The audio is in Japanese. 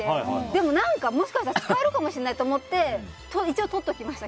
でも何か、もしかしたら使えるかもしれないと思って一応、とっておきました。